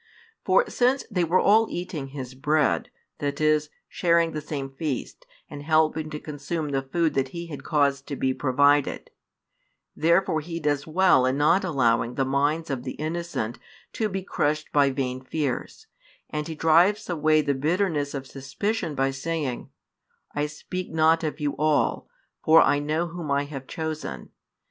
For since they were all eating His bread, that is, sharing the same feast and helping to consume the food that He had caused to be provided, therefore He does well in not allowing the minds of the innocent to be crushed by vain fears, and He drives away the bitterness of suspicion by saying: I speak not of you all; for I know whom I have chosen.